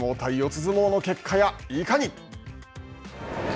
相撲の結果やいかに。